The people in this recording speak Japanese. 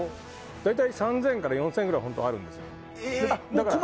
大体３０００から４０００くらい本当はあるんですよ。